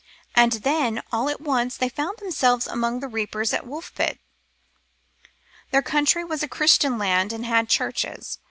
And then, all at once, they found themselves among the reapers at Woolpit. Their country was a Christian land and had churches.